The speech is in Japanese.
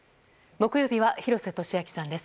木曜日は廣瀬俊朗さんです。